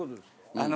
あの。